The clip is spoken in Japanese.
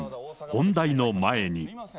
本題の前に。